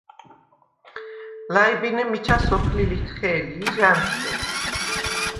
ლა̈ჲბინე მიჩა სოფლი ლითხე̄ლი ი ჟ’ა̈ნთხე.